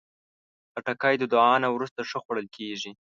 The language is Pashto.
خټکی د دعا نه وروسته ښه خوړل کېږي.